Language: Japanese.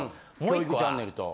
教育チャンネルと。